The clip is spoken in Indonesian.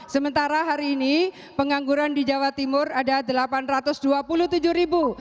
sementara hari ini pengangguran di jawa timur ada delapan ratus dua puluh tujuh ribu